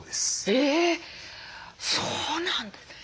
えそうなんだ。